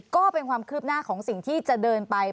ก็เป็นความคืบหน้าของสิ่งที่จะเดินไป